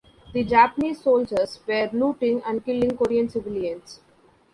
The Japanese soldiers were looting and killing Korean civilians.